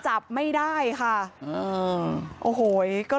เจ้าแม่น้ำเจ้าแม่น้ำ